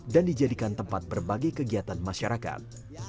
dan dijadikan tempat berbagai kegiatan masyarakat